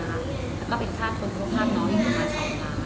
แล้วก็เป็นค่าทนภาพน้อยประมาณ๒ล้าน